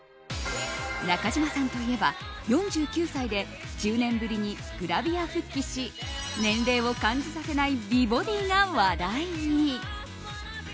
中島さんといえば、４９歳で１０年ぶりにグラビアに復帰し年齢を感じさせない美ボディーが話題に。